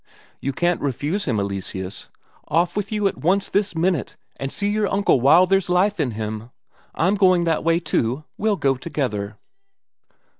You can't refuse him, Eleseus; off with you at once this minute and see your uncle while there's life in him. I'm going that way too, we'll go together."